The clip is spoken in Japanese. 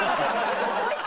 「もう１回！」